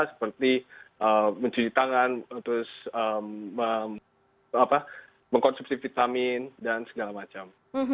seperti mencuci tangan terus mengkonsumsi vitamin dan segala macam